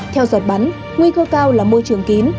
theo giọt bắn nguy cơ cao là môi trường kín